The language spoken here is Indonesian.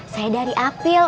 saya dari apil